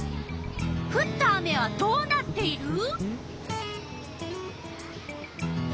ふった雨はどうなっている？